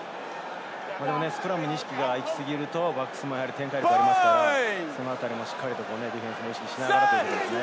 スクラムに意識が行き過ぎるとバックスが展開されますから、そのあたりもしっかりディフェンスを意識しながらですね。